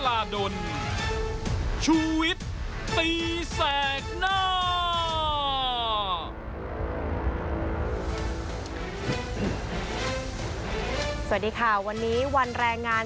สวัสดีค่ะวันนี้วันแรงงาน